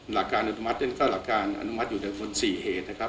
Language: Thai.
หลักการอนุมัตินั้นก็หลักการอนุมัติอยู่ในส่วน๔เหตุนะครับ